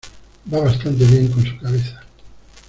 Va bastante bien con su cabeza.